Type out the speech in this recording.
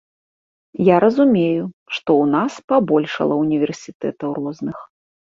Я разумею, што ў нас пабольшала універсітэтаў розных.